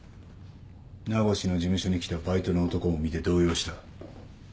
名越の事務所に来たバイトの男を見て動揺した。